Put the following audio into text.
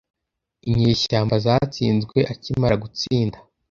inyeshyamba zatsinzwe akimara gutsinda